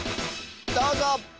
どうぞ！